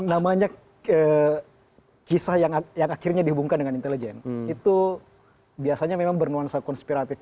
namanya kisah yang akhirnya dihubungkan dengan intelijen itu biasanya memang bernuansa konspiratif